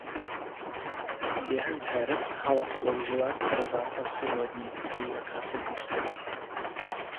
Během her hala sloužila pro zápasy v ledním hokeji a krasobruslení.